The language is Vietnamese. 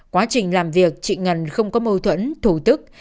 quá trình làm việc chị ngân không có mâu thuẫn thủ tức